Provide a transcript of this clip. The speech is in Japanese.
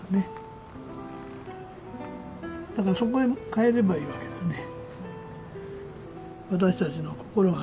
だからそこへ帰ればいいわけだね。